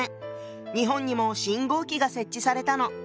日本にも信号機が設置されたの。